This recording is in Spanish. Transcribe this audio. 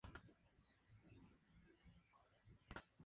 Yui descubre la macabra escena.